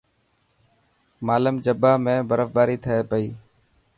مالم جبا ۾ برف باري ٿي پئي.